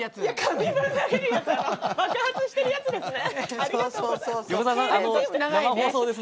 爆発してるやつですね。